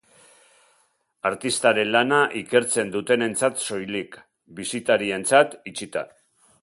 Artistaren lana ikertzen dutenentzat soilik, bisitarientzat itxita.